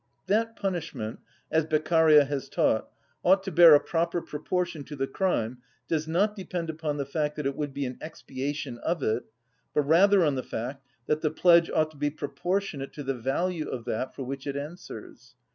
That punishment, as Beccaria has taught, ought to bear a proper proportion to the crime does not depend upon the fact that it would be an expiation of it, but rather on the fact that the pledge ought to be proportionate to the value of that for which it answers.